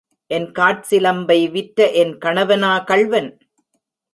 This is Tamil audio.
என் காற்சிலம்பை விற்ற என் கணவனா கள்வன்?